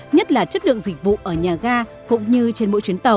nhất là chất lượng dịch vụ ở nhà ga cũng như trên mỗi chuyến tàu